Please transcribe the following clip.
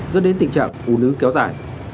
dẫn đến tình trạng ủ nứ kéo dài